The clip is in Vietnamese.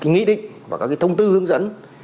nghị định và các thông tư hướng dẫn